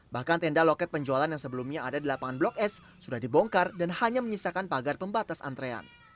bahkan tenda loket penjualan yang sebelumnya ada di lapangan blok s sudah dibongkar dan hanya menyisakan pagar pembatas antrean